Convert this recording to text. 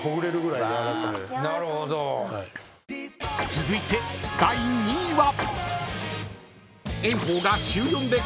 ［続いて第２位は］